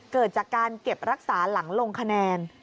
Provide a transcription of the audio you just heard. เกิดจากการเก็บรักษาหลังลงคะแนน